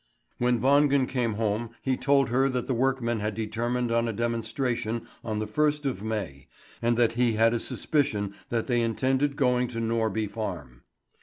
When Wangen came home he told her that the workmen had determined on a demonstration on the first of May, and that he had a suspicion that they intended going to Norby Farm.